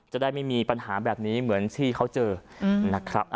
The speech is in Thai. จะได้ไม่มีปัญหาแบบนี้เหมือนที่เขาเจอนะครับ